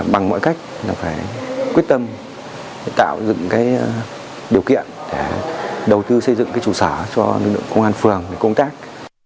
bằng mọi cách là phải quyết tâm tạo dựng điều kiện để đầu tư xây dựng trụ sở cho lực lượng công an phường để công tác